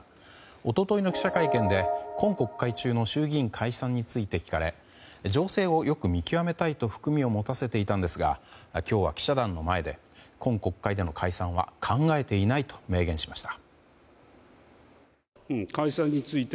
一昨日の記者会見で今国会中の衆議院解散について聞かれ情勢をよく見極めたいと含みを持たせていたんですが今日は記者団の前で今国会での解散は考えていないと明言しました。